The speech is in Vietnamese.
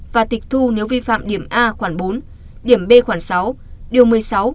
và tịch thu nếu vi phạm điểm a khoảng bốn điểm b khoảng sáu điều một mươi sáu